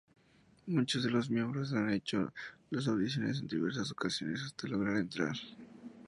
Muchos de los miembros han hecho las audiciones en diversas ocasiones hasta lograr entrar.